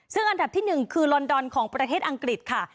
ซึ่งอันดับที่๑คือลอนดอนของประเทศอังกฤษค่ะ